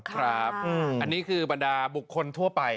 ครับอันนี้คือบรรดาบุคคลทั่วไป